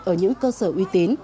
ở những cơ sở uy tín